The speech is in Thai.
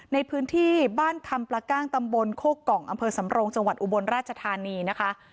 ในพื้นที่บ้านคำปลาก้างตำบลโคกกล่องอำเภอสำรงจังหวัดอุบลราชธานีนะคะ